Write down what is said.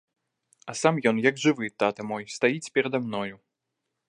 А сам ён як жывы, тата мой, стаіць перада мною.